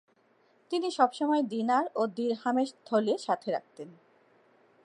তিনি সব সময় দিনার ও দিরহামের থলে সাথে রাখতেন।